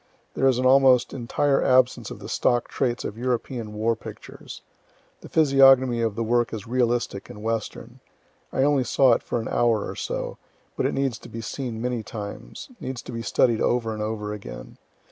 There is an almost entire absence of the stock traits of European war pictures. The physiognomy of the work is realistic and Western. I only saw it for an hour or so; but it needs to be seen many times needs to be studied over and over again.